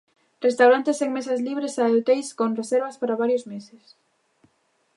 Restaurantes sen mesas libres e hoteis con reservas para varios meses.